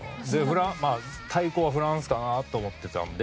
対抗はフランスかなと思ってたので。